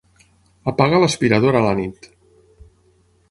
Apaga l'aspiradora a la nit.